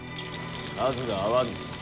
数が合わぬ。